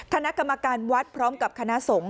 คณะกรรมการวัดพร้อมกับคณะสงฆ์